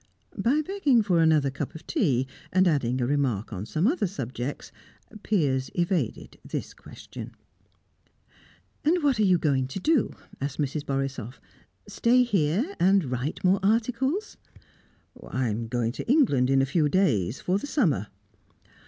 By begging for another cup of tea, and adding a remark on some other subject, Piers evaded this question. "And what are you going to do?" asked Mrs. Borisoff "Stay here, and write more articles?" "I'm going to England in a few days for the summer."